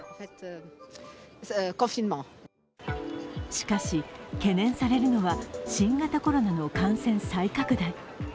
しかし、懸念されるのは新型コロナの感染再拡大。